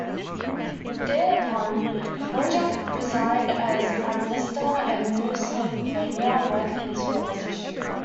Thereupon, Bajuk resigned as Prime Minister and New Slovenia went into opposition.